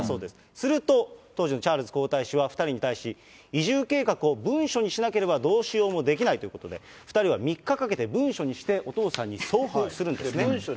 すると、当時のチャールズ皇太子は２人に対し、移住計画を文書にしなければ、どうしようもできないということで、２人は３日かけて文書にして、お父さんに送付するんですね。